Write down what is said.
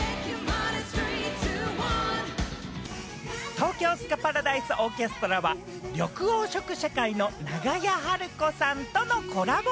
東京スカパラダイスオーケストラは、緑黄色社会の長屋晴子さんとのコラボ